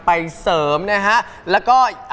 ไปเสริมนะครับแล้วก็